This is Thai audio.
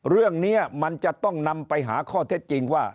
เรื่องนี้มันจะต้องนำไปหาข้อเท็จจริงว่า